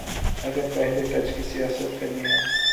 اگر پہلے طرز کی سیاست کرنی ہے۔